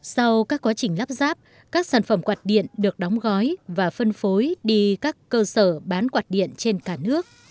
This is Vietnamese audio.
sau các quá trình lắp ráp các sản phẩm quạt điện được đóng gói và phân phối đi các cơ sở bán quạt điện trên cả nước